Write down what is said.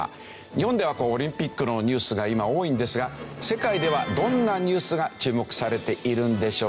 日本ではオリンピックのニュースが今多いんですが世界ではどんなニュースが注目されているんでしょうか？